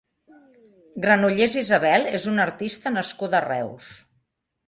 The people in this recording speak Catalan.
Granollers, Isabel és una artista nascuda a Reus.